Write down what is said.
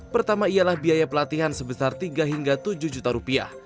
pertama ialah biaya pelatihan sebesar tiga hingga tujuh juta rupiah